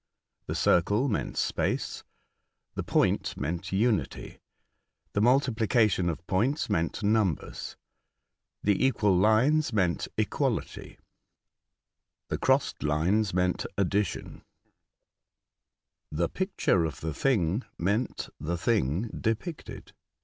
The circle meant space, the point meant unity, the multi plication of points meant numbers, the equal lines meant equality, the crossed lines meant addition, the picture of the thing meant the thing depicted.